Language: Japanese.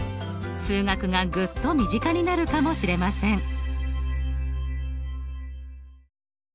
数学がグッと身近になるかもしれません。